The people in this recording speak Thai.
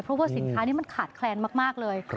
เพราะว่าสินค้านี้มันขาดแคลนมากเลย